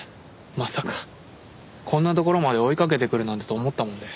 まさかこんな所まで追いかけてくるなんてと思ったもので。